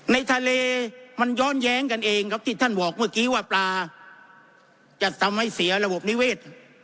ในทะเลมันย้อนแย้งกันเองครับที่ท่านบอกเมื่อกี้ว่าปลาจะทำให้เสียระบบนิเวศ